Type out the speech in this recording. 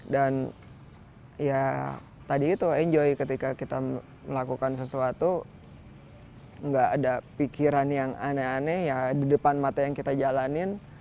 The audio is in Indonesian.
dan ya tadi itu enjoy ketika kita melakukan sesuatu gak ada pikiran yang aneh aneh ya di depan mata yang kita jalanin